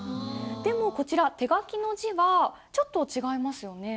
でもこちら手書きの字はちょっと違いますよね。